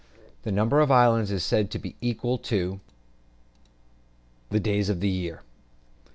The number of the islands is said to be equal to the days of the year.